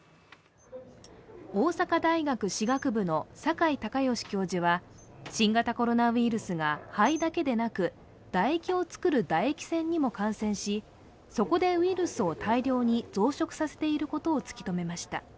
大阪大学歯学部の阪井丘芳教授は新型コロナウイルスが肺だけでなく、唾液を作る唾液腺にも感染し、そこでウイルスを大量に増殖させていることを突き止めました。